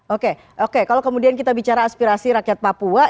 oke oke kalau kemudian kita bicara aspirasi rakyat papua